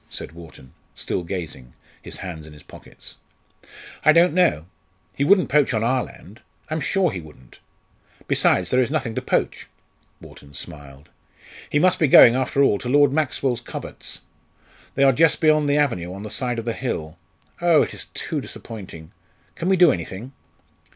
said Wharton, still gazing, his hands in his pockets. "I don't know; he wouldn't poach on our land; I'm sure he wouldn't! Besides, there is nothing to poach." Wharton smiled. "He must be going, after all, to Lord Maxwell's coverts! They are just beyond the avenue, on the side of the hill. Oh! it is too disappointing! Can we do anything?"